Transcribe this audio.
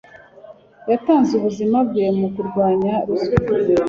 Yatanze ubuzima bwe mu kurwanya ruswa.